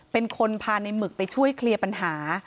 เป็นคนพาในหมึกไปช่วยเคลียร์ปัญหา